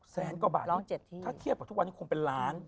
แสนกว่าบาทร้อง๗ที่ถ้าเทียบกับทุกวันคงเป็นล้าน